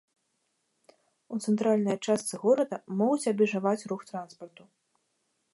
У цэнтральная частцы горада могуць абмежаваць рух транспарту.